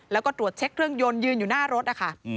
แล้วก็ตรวจเช็คเครื่องยนต์ยืนอยู่หน้ารถนะคะ